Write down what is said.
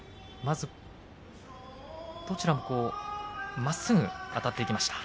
どちらもまっすぐあたっていきました。